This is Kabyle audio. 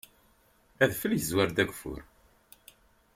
Adfel yezwar-d ageffur.